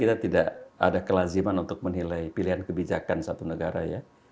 kita tidak ada kelaziman untuk menilai pilihan kebijakan satu negara ya